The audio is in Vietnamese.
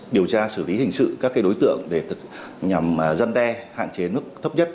điều tra xử lý hình sự các đối tượng để nhằm giăn đe hạn chế mức thấp nhất